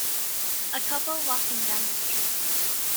A couple walking down the street.